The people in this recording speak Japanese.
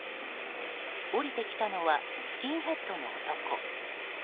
降りてきたのはスキンヘッドの男。